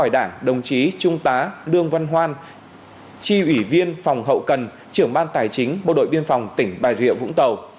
đại tá đương văn hoan chi ủy viên phòng hậu cần trưởng ban tài chính bộ đội biên phòng tỉnh bà rịa vũng tàu